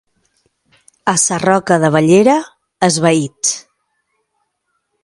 A Sarroca de Bellera, esvaïts.